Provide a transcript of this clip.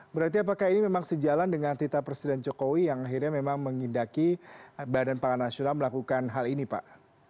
berarti apakah ini memang sejalan dengan tita presiden jokowi yang akhirnya memang mengindaki bpn melakukan hal ini pak